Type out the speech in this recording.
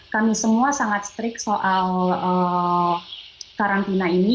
kami semua sangat strict soal karantina ini